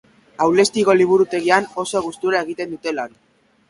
Aulestiko liburutegian oso gustura egiten dut lan!